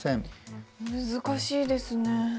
難しいですね。